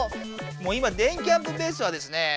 もう今電キャんぷベースはですねえ